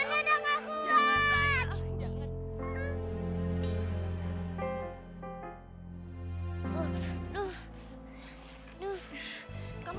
noni udah ga kuat ma